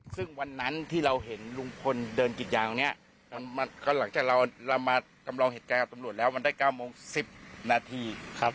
ซึ่งวันนั้นที่เราเห็นลุงพลเดินกิจยาวเนี่ยก็หลังจากเรามาจำลองเหตุการณ์กับตำรวจแล้วมันได้๙โมง๑๐นาทีครับ